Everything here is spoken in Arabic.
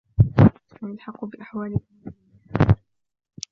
وَيَلْحَقُ بِأَحْوَالِ الْعَامِلِينَ